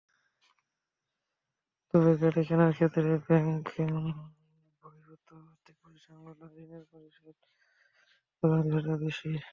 তবে গাড়ি কেনার ক্ষেত্রে ব্যাংকবহির্ভূত আর্থিক প্রতিষ্ঠানগুলোর ঋণের পরিমাণ কিছুটা বেশি।